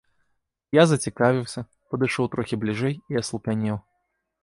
Я зацікавіўся, падышоў трохі бліжэй і аслупянеў.